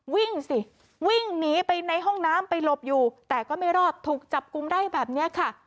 วิ่งสิวิ่งหนีไปในห้องน้ำไปหลบอยู่แต่ก็ไม่รอดถูกจับกุมได้แบบนี้ค่ะ